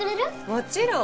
もちろん。